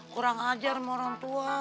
kurang ajar sama orang tua